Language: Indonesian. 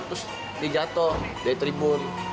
terus dia jatuh dari tribun